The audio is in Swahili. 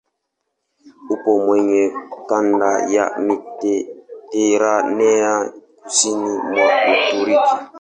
Upo kwenye kanda ya Mediteranea kusini mwa Uturuki.